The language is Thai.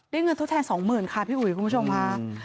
ได้เงินทดแทน๒๐๐๐๐บาทค่ะพี่อุ๋ยคุณผู้ชมภาพ